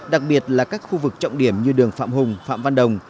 đặc biệt là các khu vực trọng điểm như đường phạm hùng phạm văn đồng